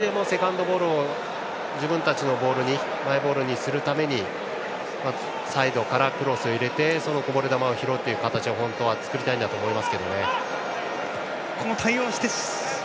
少しでもセカンドボールを自分たちのマイボールにするためサイドからクロスを入れてこぼれ球を拾うという形を本当は作りたいんだと思います。